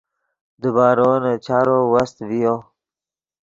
دیبارو نے چارو وست ڤیو